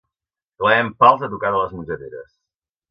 Clavem pals a tocar de les mongeteres.